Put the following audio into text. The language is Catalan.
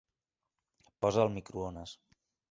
Posa el microones.